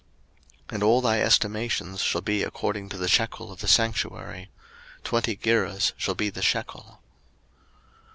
03:027:025 And all thy estimations shall be according to the shekel of the sanctuary: twenty gerahs shall be the shekel.